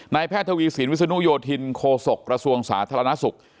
แพทย์ทวีสินวิศนุโยธินโคศกระทรวงสาธารณสุข